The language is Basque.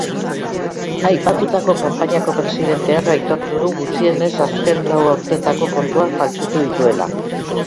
Aipatutako konpainiako presidenteak aitortu du gutxienez azken lau urteotako kontuak faltsutu dituela.